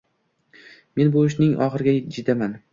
Men bu ishding oxiriga jetaman